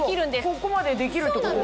ここまでできるってことですよね。